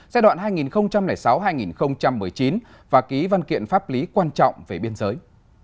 giai đoạn hai nghìn sáu hai nghìn một mươi chín và ký văn kiện pháp lý quan trọng về biên giới